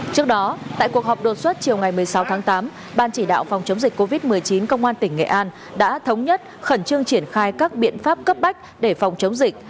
trước đó tại cuộc họp đột xuất chiều ngày một mươi sáu tháng tám ban chỉ đạo phòng chống dịch covid một mươi chín công an tỉnh nghệ an đã thống nhất khẩn trương triển khai các biện pháp cấp bách để phòng chống dịch